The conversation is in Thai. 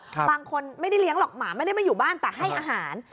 บางคนไม่ได้เลี้ยงหรอกหมาไม่ได้มาอยู่บ้านแต่ให้อาหาร